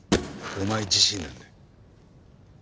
お前自身なんだよ。